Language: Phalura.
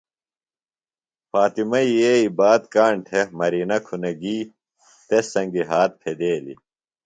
۔فاطمہ یئی بات کاݨ تھےۡ مرینہ کُھنہ گیۡ تس سنگیۡ ہات پھدیلیۡ۔